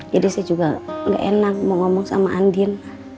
jadi saya juga gak enak mau ngomong sama andien